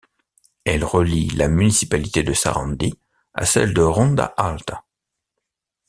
Elle relie la municipalité de Sarandi à celle de Ronda Alta.